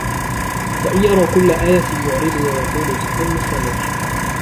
وَإِنْ يَرَوْا آيَةً يُعْرِضُوا وَيَقُولُوا سِحْرٌ مُسْتَمِرٌّ